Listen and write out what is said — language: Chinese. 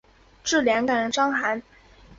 治两感伤寒。